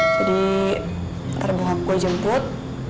jadi nanti bapak gue jemput